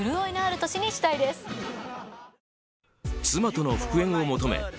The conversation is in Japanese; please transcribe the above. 妻との復縁を求め